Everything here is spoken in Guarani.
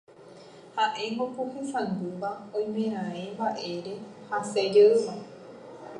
Ha'éngo ku hesangýva oimeraẽ mba'ére hasẽjeýma